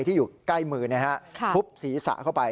ที่อยู่ใกล้มือทุบศีรษะเข้าไป